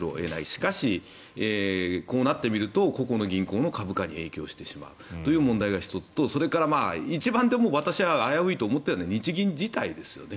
しかし、こうなってみると個々の銀行の株価に影響してしまうという問題が１つとそれから一番私が危ういと思っているのが日銀自体ですよね。